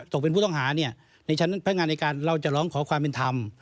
ตกเป็นผู้ต้องหาในชั้นพนักงานในการเราจะร้องขอความเป็นธรรม